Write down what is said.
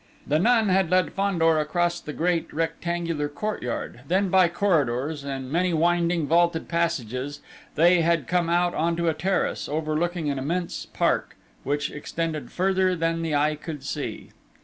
The nun had led Fandor across the great rectangular courtyard; then by corridors, and many winding, vaulted passages, they had come out on to a terrace, overlooking an immense park, which extended further than the eye could see.